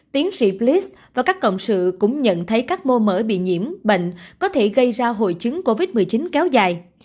tiến sĩ pleis và các cộng sự cũng nhận thấy các mô mỡ bị nhiễm bệnh có thể gây ra hội chứng covid một mươi chín kéo dài